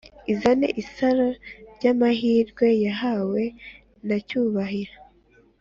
izanye isaro ryamahirwe yahawe na cyubahiro